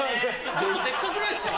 ちょっとデッカくないですか？